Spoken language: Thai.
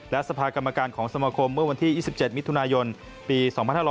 และสภากรรมการของสมคมเมื่อวันที่๒๗มิถุนายนปี๒๕๖๐